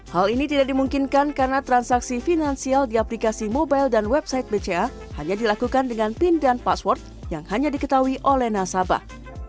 hal ini tidak dimungkinkan karena transaksi finansial di aplikasi mobile dan website bca hanya dilakukan dengan pin dan password yang hanya diketahui oleh nasabah